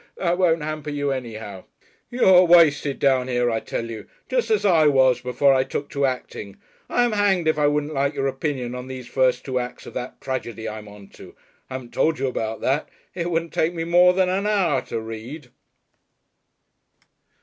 That won't hamper you anyhow. You're wasted down here, I tell you. Just as I was, before I took to acting. I'm hanged if I wouldn't like your opinion on these first two acts of that tragedy I'm on to. I haven't told you about that. It wouldn't take me more than an hour to read...."